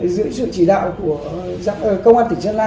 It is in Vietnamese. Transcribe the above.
dưới sự chỉ đạo của công an tỉnh sơn la